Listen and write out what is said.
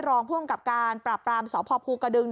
รองพ่วงกับการปราบรามสภภูกระดึง